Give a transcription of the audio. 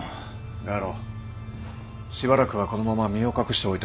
我路しばらくはこのまま身を隠しておいた方がいい。